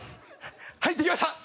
はいできました。